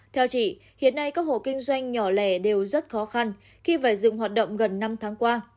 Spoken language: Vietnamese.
theo chị hiện nay các hộ kinh doanh nhỏ lẻ đều rất khó khăn khi phải dừng hoạt động gần năm tháng qua